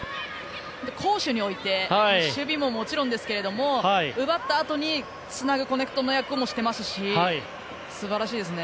攻守において守備ももちろんですけど奪ったあとにつなぐコネクトの役もしてますし素晴らしいですね。